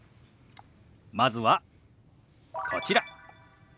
まずはこちら。